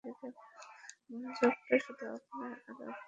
মনোযোগটা শুধু আপনার আর আপনার বাবার প্রতি রাখছি।